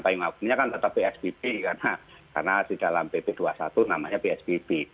payung hukumnya kan tetap psbb karena di dalam pp dua puluh satu namanya psbb